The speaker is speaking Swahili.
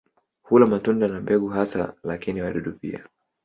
Hula matunda na mbegu hasa lakini wadudu pia.